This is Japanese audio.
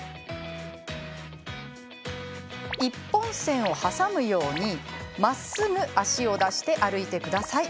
１本線を挟むように、まっすぐ足を出して歩いてください。